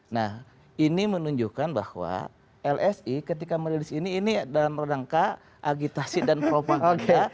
nah ini menunjukkan bahwa lsi ketika merilis ini ini dalam rangka agitasi dan propaganda